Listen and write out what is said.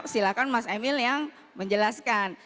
silahkan mas emil yang menjelaskan